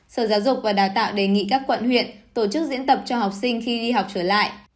sở giáo dục và đào tạo đề nghị các quận huyện tổ chức diễn tập cho học sinh khi đi học trở lại